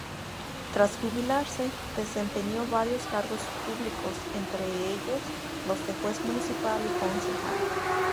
Tras jubilarse, desempeñó varios cargos públicos, entre ellos, los de juez municipal y concejal.